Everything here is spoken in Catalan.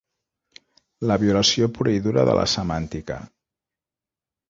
La violació pura i dura de la semàntica.